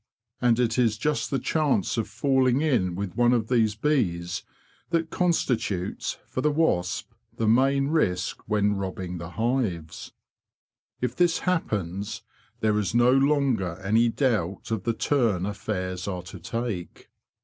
And it is just the chance of falling in with one of these bees THE YELLOW PERIL IN HIVELAND 173 that constitutes, for the wasp, the main risk when robbing the hives. If this happens, there is no longer any doubt of the turn affairs are to take.